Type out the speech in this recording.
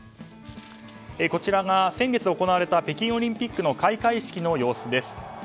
こちらが先月行われた北京オリンピックの開会式の様子です。